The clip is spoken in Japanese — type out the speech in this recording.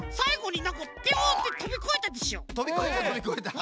とびこえたとびこえた！